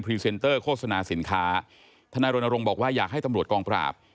เตอร์โฆษณาสินค้าทนายรณรงค์บอกว่าอยากให้ตำรวจกองปราบ